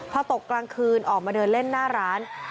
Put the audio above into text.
พอตกกลางคืนออกมาเดินเล่นหน้าร้าน